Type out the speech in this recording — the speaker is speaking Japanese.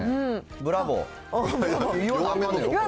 ブラボー！